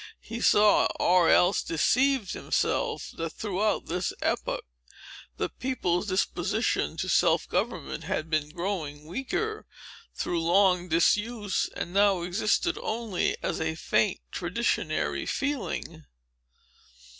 He saw,—or else deceived himself—that, throughout this epoch, the people's disposition to self government had been growing weaker, through long disuse, and now existed only as a faint traditionary feeling.